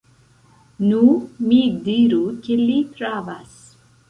Nu, mi diru ke li pravas.